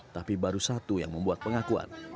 tapi baru satu yang membuat pengakuan